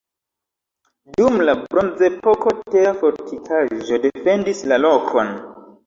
Dum la bronzepoko tera fortikaĵo defendis la lokon.